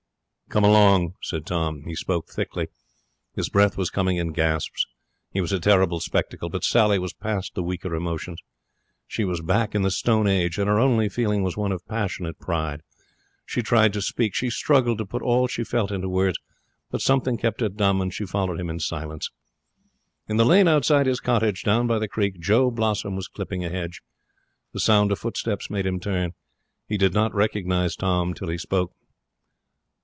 'Come along!' said Tom. He spoke thickly. His breath was coming in gasps. He was a terrible spectacle, but Sally was past the weaker emotions. She was back in the Stone Age, and her only feeling was one of passionate pride. She tried to speak. She struggled to put all she felt into words, but something kept her dumb, and she followed him in silence. In the lane outside his cottage, down by the creek, Joe Blossom was clipping a hedge. The sound of footsteps made him turn. He did not recognize Tom till he spoke.